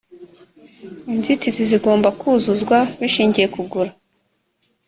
inzitizi zigomba kuzuzwa bishingiye kugura